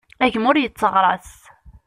A gma ur yetteɣras.